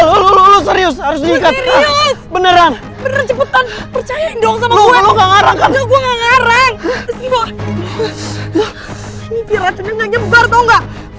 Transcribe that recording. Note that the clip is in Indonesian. lu lu lu lu serius harus diikat beneran percaya dong sama gue nggak ngarang